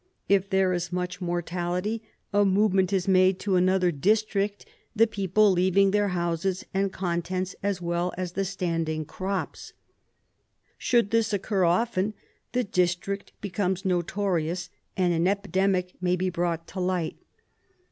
If there is much mortality a move ment is made to another district, the people leaving their houses and contents, as well as the standing crops. Should this occur often, the district becomes notorious and an epidemic may be brought to light.